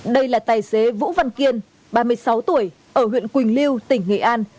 đây là tài xế vũ văn kiên ba mươi sáu tuổi ở huyện quỳnh lưu tỉnh nghệ an